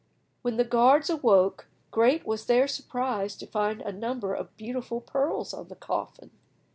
When the guards awoke, great was their surprise to find a number of beautiful pearls on the coffin.